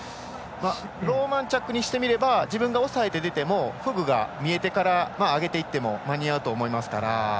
ローマンチャックにしてみたら自分が押さえて出てもフグが見えてから上げていっても間に合うと思いますから。